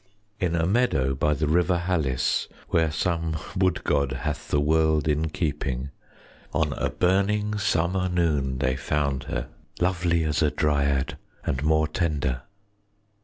In a meadow by the river Halys, 5 Where some wood god hath the world in keeping, On a burning summer noon they found her, Lovely as a Dryad, and more tender.